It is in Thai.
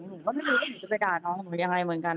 หนูก็ไม่รู้ว่าหนูจะไปด่าน้องหนูยังไงเหมือนกัน